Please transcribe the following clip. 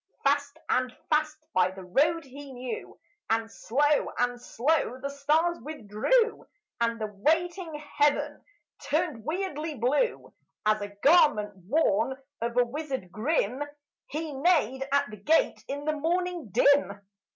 Fast, and fast, by the road he knew; And slow, and slow, the stars withdrew; And the waiting heaven turned weirdly blue, As a garment worn of a wizard grim. He neighed at the gate in the morning dim.